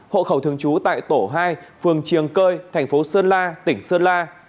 hộ khẩu thường trú tại tổ hai phường triềng cơi thành phố sơn la tỉnh sơn la